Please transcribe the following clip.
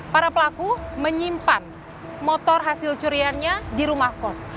para pelaku menyimpan motor hasil curiannya di rumah kos